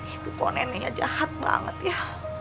itu kok neneknya jahat banget ya